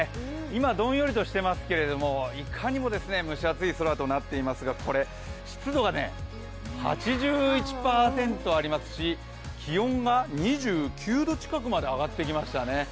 今どんよりとしていますけどいかにも蒸し暑い空となっていますが湿度が８１％ありますし、気温が２９度近くまで上がってきましたね。